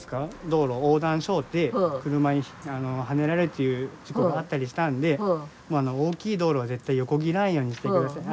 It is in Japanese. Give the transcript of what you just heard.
道路横断しょうて車にはねられるという事故があったりしたんで大きい道路は絶対横切らんようにしてください。